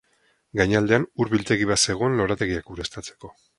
Gainaldean ur-biltegi bat zegoen lorategiak ureztatzeko.